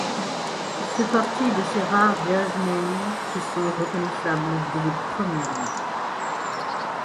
Il fait partie de ces rares jazzmen qui sont reconnaissables dès les premières notes.